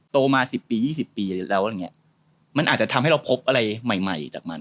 โตมา๑๐ปี๒๐ปีแล้วอะไรอย่างเงี้ยมันอาจจะทำให้เราพบอะไรใหม่ใหม่จากมัน